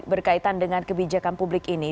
berkaitan dengan kebijakan publik ini